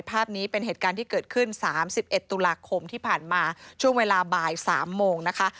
ภาพนี้เป็นเหตุการณ์ที่เกิดขึ้น๓๑ตุลาคมที่ผ่านมาช่วงเวลาบ่าย๓โมงนะคะ